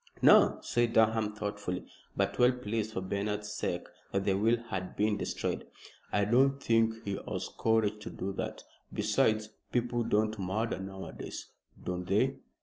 "No," said Durham, thoughtfully, but well pleased for Bernard's sake that the will had been destroyed. "I don't think he has courage to do that. Besides, people don't murder nowadays." "Don't they?"